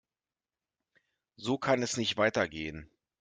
So kann es nicht weitergehen.